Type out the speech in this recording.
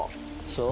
そう？